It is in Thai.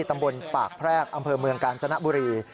ตำบลปากแพรกอำเภอเมืองกาญจนบุรี